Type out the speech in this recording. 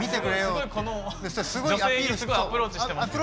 女性にすごいアプローチしてますね。